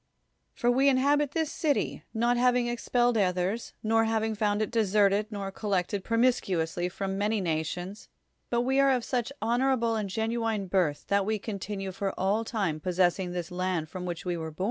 For we inhabit this city, not having expelled oth ers, nor having found it d(>serted, nor collected promiscuously from many nations, l)ut we are of such honorable and genuine birth lh;it we con tinue for all time possessing this land from wliich we were l)'.)